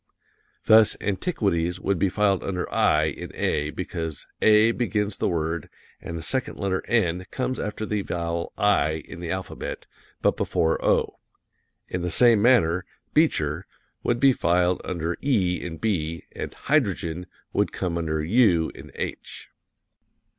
Thus, "Antiquities" would be filed under i in A, because A begins the word, and the second letter, n, comes after the vowel i in the alphabet, but before o. In the same manner, "Beecher" would be filed under e in B; and "Hydrogen" would come under u in H.